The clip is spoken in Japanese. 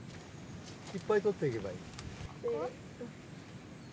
・いっぱいとっていけばいい。